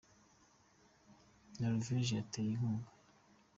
Noruveje yateye inkunga